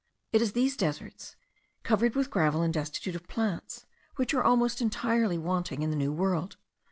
It is these deserts, covered with gravel and destitute of plants, which are almost entirely wanting in the New World.